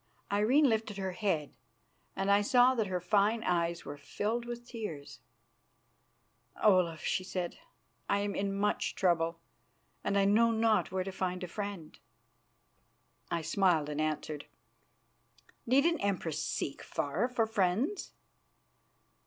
Irene lifted her head, and I saw that her fine eyes were filled with tears. "Olaf," she said, "I am in much trouble, and I know not where to find a friend." I smiled and answered: "Need an Empress seek far for friends?"